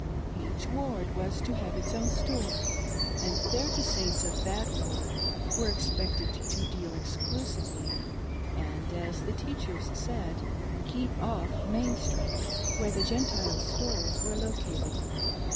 Each Ward was to have its own store, and there the Saints of that Ward were expected to deal exclusively, and, as the teachers said, " keep off Main street where the Gentile stores were located."